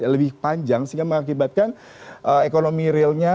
lebih panjang sehingga mengakibatkan ekonomi realnya